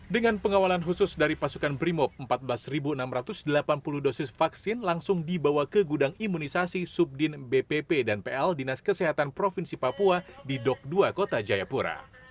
dengan pengawalan khusus dari pasukan brimob empat belas enam ratus delapan puluh dosis vaksin langsung dibawa ke gudang imunisasi subdin bpp dan pl dinas kesehatan provinsi papua di dok dua kota jayapura